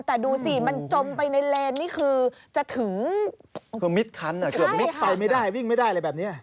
แต่ดูสิมันจมไปในเลนนี่คือจะถึงเกือบมิดคันอ่ะเกือบมิดไปไม่ได้วิ่งไม่ได้อะไรแบบนี้